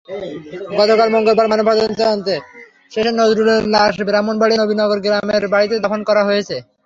গতকাল মঙ্গলবার ময়নাতদন্ত শেষে নজরুলের লাশ ব্রাহ্মণবাড়িয়ার নবীনগরের গ্রামের বাড়িতে দাফন করা হয়েছে।